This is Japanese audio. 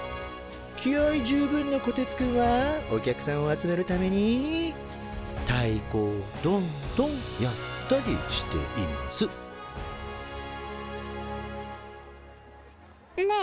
気合い十分のこてつくんはお客さんを集めるためにたいこをドンドンやったりしていますねえ